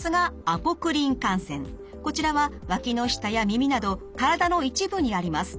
こちらはわきの下や耳など体の一部にあります。